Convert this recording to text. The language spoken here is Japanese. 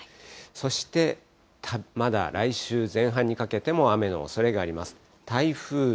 そして、まだ来週前半にかけても雨のおそれがあります。